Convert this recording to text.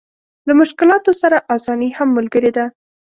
له مشکلاتو سره اساني هم ملګرې ده.